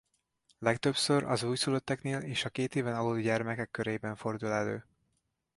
Legtöbbször az újszülötteknél és a kétéven aluli gyermekek körében fordul elő.